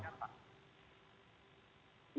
nah mengaturnya seperti apa prokomar